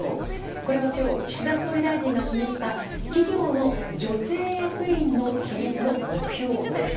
これは今日岸田総理大臣が示した企業の女性役員の比率の目標です。